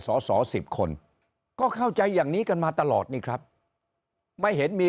สอสอ๑๐คนก็เข้าใจอย่างนี้กันมาตลอดนี่ครับไม่เห็นมี